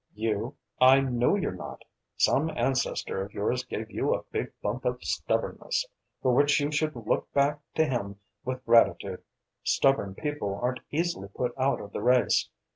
"You? I know you're not. Some ancestor of yours gave you a big bump of stubbornness for which you should look back to him with gratitude. Stubborn people aren't easily put out of the race.